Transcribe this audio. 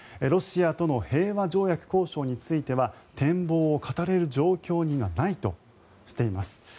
ロシアとの平和条約交渉については展望を語れる状況にはないとしています。